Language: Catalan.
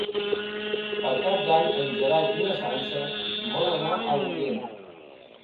Per Cap d'Any en Gerai i na Sança volen anar a Agullent.